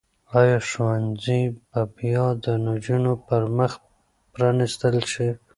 آیا ښوونځي به بیا د نجونو پر مخ پرانیستل شي؟